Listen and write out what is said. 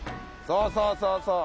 そうそうそうそう。